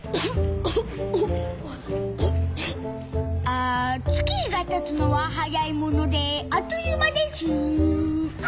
あ月日がたつのははやいものであっという間です。